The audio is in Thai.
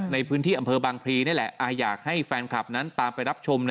ในพื้นที่อำเภอบางพลีนี่แหละอยากให้แฟนคลับนั้นตามไปรับชม